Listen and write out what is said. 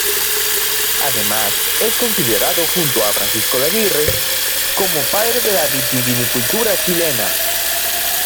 Además es considerado, junto a Francisco de Aguirre, como padre de la vitivinicultura chilena.